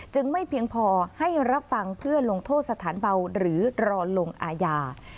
ไม่เพียงพอให้รับฟังเพื่อลงโทษสถานเบาหรือรอลงอาญา